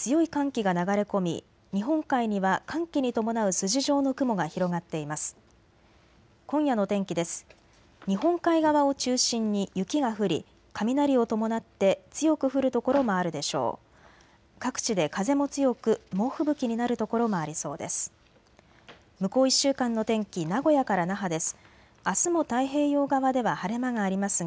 各地で風も強く猛吹雪になる所もありそうです。